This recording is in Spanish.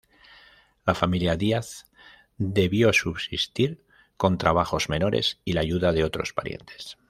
La familia Díaz debió subsistir con trabajos menores y la ayuda de otros parientes.